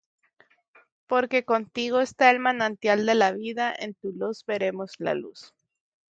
Porque contigo está el manantial de la vida: En tu luz veremos la luz.